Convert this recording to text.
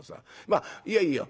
まあいやいいよ。